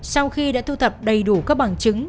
sau khi đã thu thập đầy đủ các bằng chứng